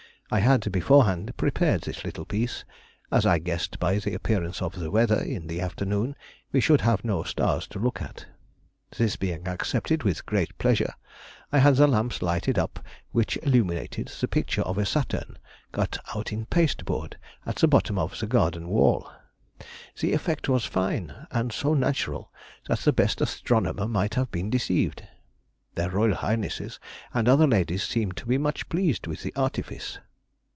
I had beforehand prepared this little piece, as I guessed by the appearance of the weather in the afternoon we should have no stars to look at. This being accepted with great pleasure, I had the lamps lighted up which illuminated the picture of a Saturn (cut out in pasteboard) at the bottom of the garden wall. The effect was fine, and so natural that the best astronomer might have been deceived. Their royal highnesses and other ladies seemed to be much pleased with the artifice.